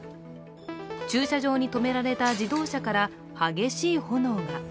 駐車場に止められた自動車から激しい炎が。